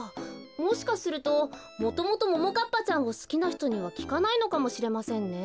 もしかするともともとももかっぱちゃんをすきなひとにはきかないのかもしれませんね。